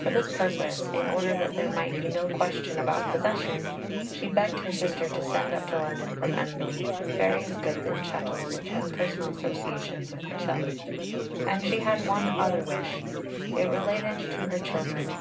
For this purpose, in order that there might be no question about possession, she begged her sister to send up to London from Embley various goods and chattels which had personal association with herself. And she had one other wish; it related to her "children."